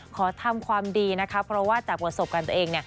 ขอทำความดีนะคะเพราะว่าจากประสบการณ์ตัวเอง